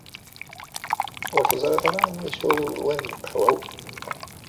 Ur teẓriḍ ara anwa yeswan lqahwa-w?